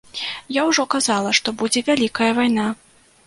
Я ўжо казала, што будзе вялікая вайна.